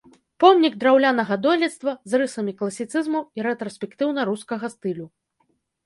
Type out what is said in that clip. Помнік драўлянага дойлідства з рысамі класіцызму і рэтраспектыўна-рускага стылю.